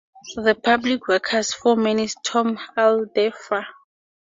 The public works foreman is Tom Alderfer.